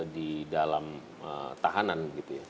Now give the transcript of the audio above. di dalam tahanan